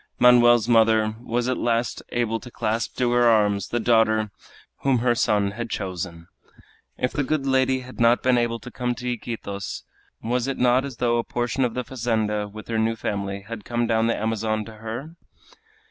Manoel's mother was at last able to clasp to her arms the daughter whom her son had chosen. If the good lady had not been able to come to Iquitos, was it not as though a portion of the fazenda, with her new family, had come down the Amazon to her?